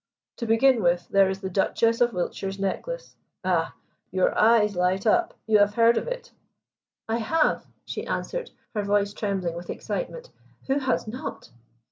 To begin with, there is the Duchess of Wiltshire's necklace. Ah, your eyes light up; you have heard of it?" "I have," she answered, her voice trembling with excitement. "Who has not?"